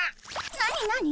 何何？